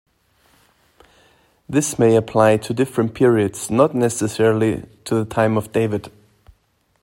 This may apply to different periods, not necessarily to the time of David.